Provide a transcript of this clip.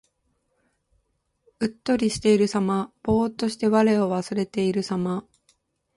うっとりしているさま。ぼうっとして我を忘れているさま。